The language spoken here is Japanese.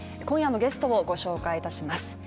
今夜のゲストをご紹介します。